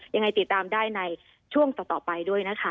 ยังไงติดตามได้ในช่วงต่อไปด้วยนะคะ